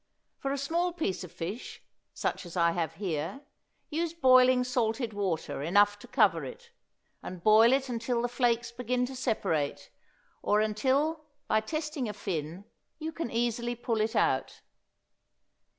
For a small piece of fish, such as I have here, use boiling salted water enough to cover it, and boil it until the flakes begin to separate, or until, by testing a fin, you can easily pull it out.